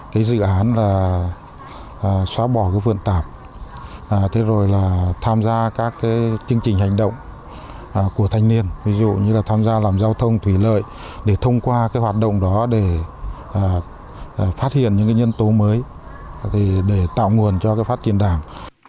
hán là xóa bỏ cái vườn tạp tham gia các chương trình hành động của thanh niên ví dụ như là tham gia làm giao thông thủy lợi để thông qua cái hoạt động đó để phát hiện những nhân tố mới để tạo nguồn cho phát triển đảng